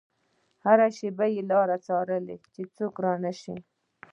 هره شېبه يې لارې څارلې چې څوک رانشي.